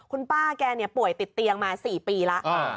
คุณป้าแกป่วยติดเตียงมา๔ปีแล้ว